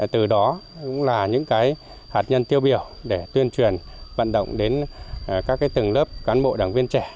từ đó cũng là những cái hạt nhân tiêu biểu để tuyên truyền vận động đến các cái từng lớp cán bộ đảng viên trẻ